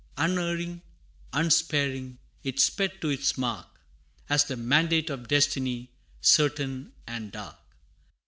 Unerring, unsparing, it sped to its mark, As the mandate of destiny, certain and dark.